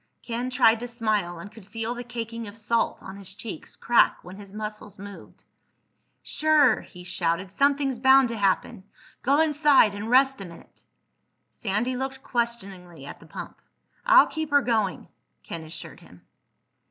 Ken tried to smile, and could feel the caking of salt on his cheeks crack when his muscles moved. "Sure," he shouted. "Something's bound to happen. Go inside and rest a minute." Sandy looked questioningly at the pump. "I'll keep her going," Ken assured him.